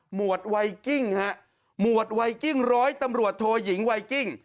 หวดไวกิ้งฮะหมวดไวกิ้งร้อยตำรวจโทยิงไวกิ้ง